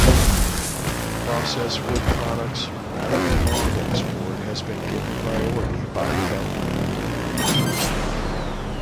Processed wood products, rather than log export has been given priority by the government.